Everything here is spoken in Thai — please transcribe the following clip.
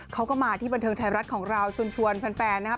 เขาก็มาที่บันเทิงไทยรัฐของเราชวนแฟนนะครับ